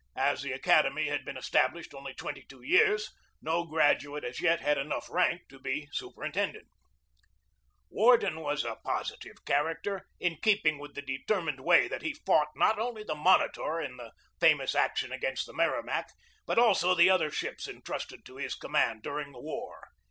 As the Academy had been established only twenty two years, no graduate as yet had enough rank to be superintendent. SERVICE AFTER THE WAR 143 Worden was a positive character, in keeping with the determined way that he fought, not only the Monitor in the famous action against the Merrimac, but also the other ships intrusted to his command during the war.